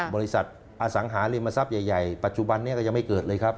บริษัทอสังหาริมทรัพย์ใหญ่ปัจจุบันนี้ก็ยังไม่เกิดเลยครับ